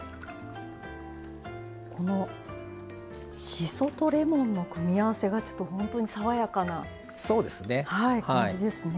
しそとレモンの組み合わせがちょっと爽やかな感じですね。